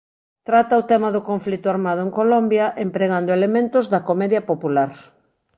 Trata o tema do conflito armado en Colombia empregando elementos da comedia popular.